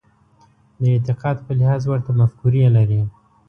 د اعتقاد په لحاظ ورته مفکورې لري.